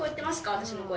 私の声。